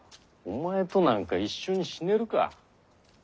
お前となんか一緒に死ねるか。